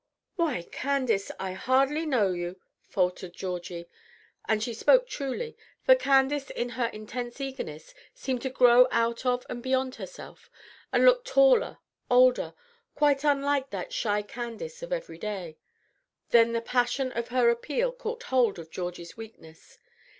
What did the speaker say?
"Why, Candace, I hardly know you," faltered Georgie; and she spoke truly, for Candace in her intense eagerness seemed to grow out of and beyond herself, and looked taller, older, quite unlike the shy Candace of every day. Then the passion of her appeal caught hold of Georgie's weakness.